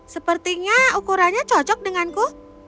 sepertinya ukurannya cocok denganku